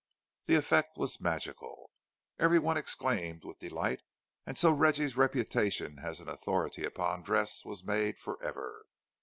The effect was magical; every one exclaimed with delight, and so Reggie's reputation as an authority upon dress was made for ever.